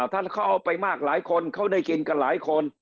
ถ้าเขาเอาไปมากหลายคนเขาได้กินกันหลายคน